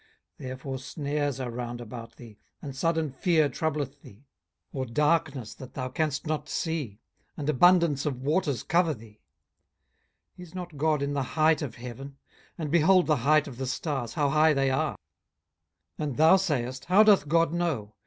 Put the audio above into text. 18:022:010 Therefore snares are round about thee, and sudden fear troubleth thee; 18:022:011 Or darkness, that thou canst not see; and abundance of waters cover thee. 18:022:012 Is not God in the height of heaven? and behold the height of the stars, how high they are! 18:022:013 And thou sayest, How doth God know?